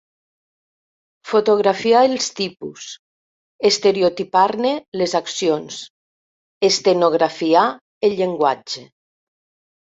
Fotografiar els tipus, estereotipar-ne les accions, estenografiar el llenguatge